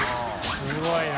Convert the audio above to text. すごいな。